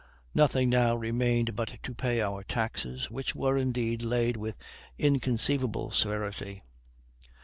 Nothing now remained but to pay our taxes, which were indeed laid with inconceivable severity.